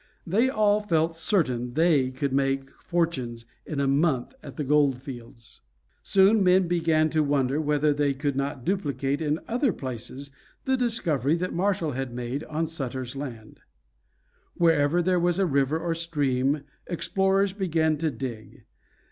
They all felt certain they could make fortunes in a month at the gold fields. Soon men began to wonder whether they could not duplicate in other places the discovery that Marshall had made on Sutter's land. Wherever there was a river or stream explorers began to dig.